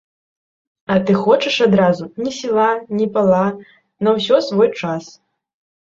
А ты хочаш адразу, ні села, ні пала, на ўсё свой час.